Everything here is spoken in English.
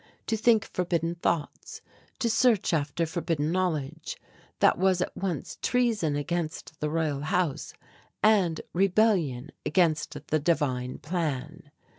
To think forbidden thoughts, to search after forbidden knowledge, that was at once treason against the Royal House and rebellion against the divine plan.